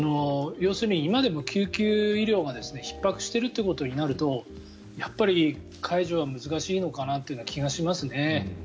要するに今でも救急医療がひっ迫しているということになるとやっぱり解除は難しいなという気がしますね。